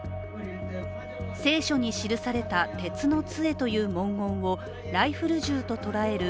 聖書に記された「鉄のつえ」という文言をライフル銃ととらえる